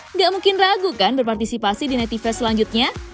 nggak mungkin ragu kan berpartisipasi di netive selanjutnya